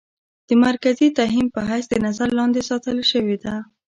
د مرکزي تهيم په حېث د نظر لاندې ساتلے شوې ده.